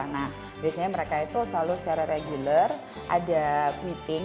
nah biasanya mereka itu selalu secara regular ada meeting